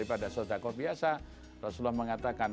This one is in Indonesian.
ada sotako biasa rasulullah mengatakan